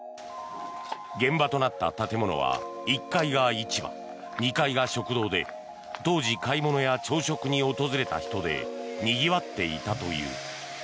現場となった建物は１階が市場２階が食堂で当時、買い物や朝食に訪れた人でにぎわっていたという。